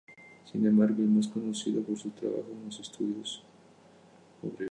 Sin embargo, es más conocido por su trabajo en los estudios hebreos.